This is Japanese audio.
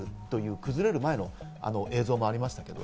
崩れる前の映像もありました。